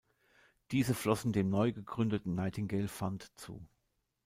Diese flossen dem neu gegründeten Nightingale Fund zu.